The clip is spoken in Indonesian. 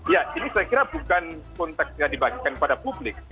ya ini saya kira bukan konteksnya dibagikan kepada publik